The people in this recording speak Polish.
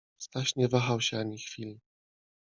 Staś nie wahał się ani chwili.